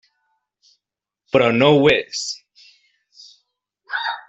Però no ho és.